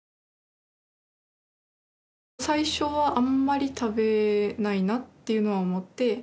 最初はあんまり食べないなっていうのは思って。